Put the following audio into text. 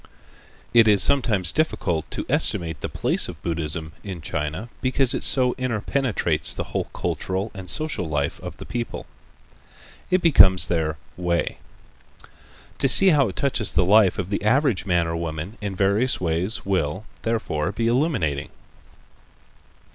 It is sometimes difficult to estimate the place of Buddhism in China, because it so interpenetrates the whole cultural and social life of the people. It becomes their "way." To see how it touches the life of the average man or woman in various ways will, therefore, be illuminating.